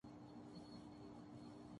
اس کا سبب مشترقین کی سازش نہیں